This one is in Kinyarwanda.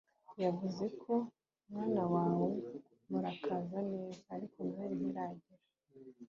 yavuze ko mwana wawe murakaza neza, ariko noheri ntirarangira